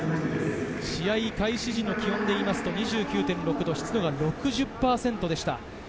試合開始時の気温でいうと２９．６度、湿度は６０％でした。